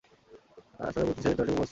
ছাদের উপর তিন সারিতে নয়টি গম্বুজ অবস্থিত।